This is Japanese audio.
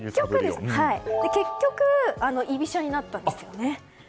結局、居飛車になったんですね。